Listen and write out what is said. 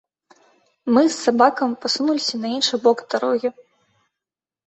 Мы з сабакамі пасунуліся на іншы бок дарогі.